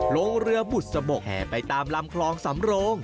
ลงเรือบุษบกแห่ไปตามลำคลองสำโรง